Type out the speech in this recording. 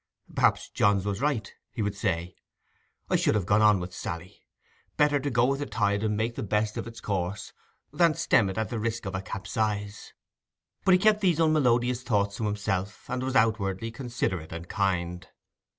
'Perhaps Johns was right,' he would say. 'I should have gone on with Sally. Better go with the tide and make the best of its course than stem it at the risk of a capsize.' But he kept these unmelodious thoughts to himself, and was outwardly considerate and kind.